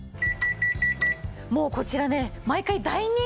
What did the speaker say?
もうこちらね毎回大人気ですからね。